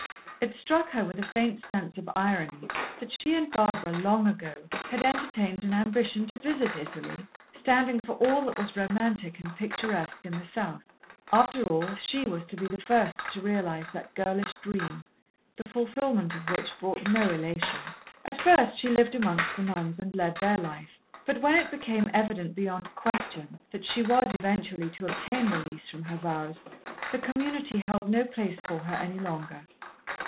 It struck her with a faint sense of irony that she and Barbara, long ago, had entertained an ambition to visit Italy, standing for all that was romantic and picturesque in the South. After all, she was to be the first to realize that girlish dream, the fulfilment of which brought no elation. At first she lived amongst the nuns, and led their life, but when it became evident beyond question that she was eventually to obtain release from her vows, the Community held no place for her any longer.